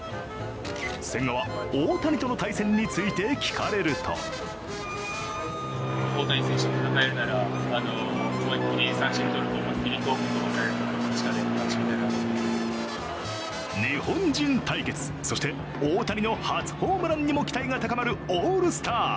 千賀は大谷との対戦について聞かれると日本人対決そして、大谷の初ホームランにも期待が高まるオールスター。